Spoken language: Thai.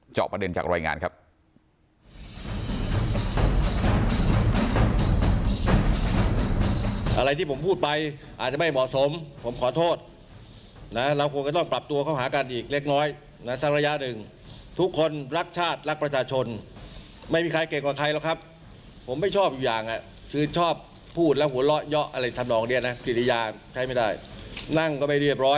จอบประเด็นจากรายงานครับ